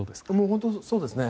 本当にそうですね。